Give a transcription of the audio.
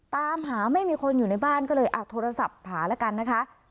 ตามหาไม่มีคนอยู่ในบ้านก็เลยโทรศัพท์หาแล้วกันนะคะ